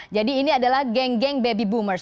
jadi ini adalah geng geng baby boomers